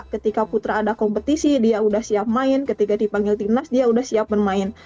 ketika putra ada kompetisi dia sudah siap main ketika dipanggil timnas dia udah siap bermain